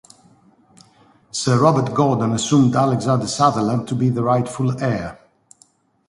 Sir Robert Gordon assumed Alexander Sutherland to be the rightful heir.